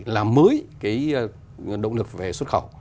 làm mới cái động lực về xuất khẩu